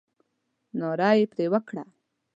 ناره یې پر وکړه.